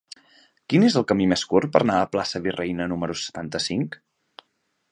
Quin és el camí més curt per anar a la plaça de la Virreina número setanta-cinc?